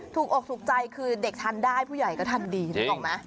อกถูกใจคือเด็กทานได้ผู้ใหญ่ก็ทันดีนึกออกไหม